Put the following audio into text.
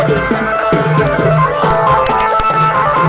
เพื่อรับความรับทราบของคุณ